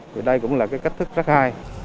thì đây cũng là cái cách thức rất hay